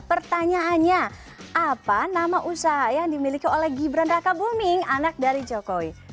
pertanyaannya apa nama usaha yang dimiliki oleh gibran raka buming anak dari jokowi